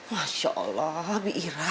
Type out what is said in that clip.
masya allah bi ira